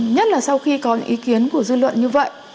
nhất là sau khi có những ý kiến của dư luận như vậy